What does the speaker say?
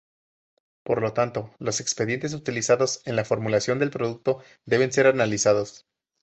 Por lo tanto, los excipientes utilizados en la formulación del producto deben ser analizados.